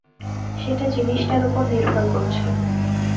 সেটা জিনিসটার ওপর নির্ভর করছে।